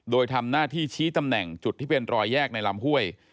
โดยทำหน้าที่ชี้ตำแหน่งจุดที่เป็นรอยแยกในลำห้วย